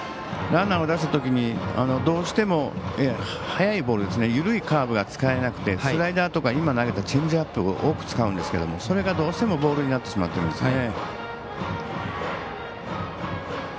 ランナーを出したときにどうしても速いボール緩いカーブが使えなくてスライダーとかチェンジアップを多く使うんですけどもそれがどうしてもボールになってしまってるんです。